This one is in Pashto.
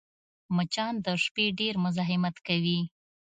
مچان د شپې ډېر مزاحمت کوي